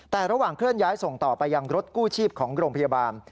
แต่ระหว่างเคลื่อนย้ายส่งต่อไปยังรถกู้ชีพของโรงพยาบาล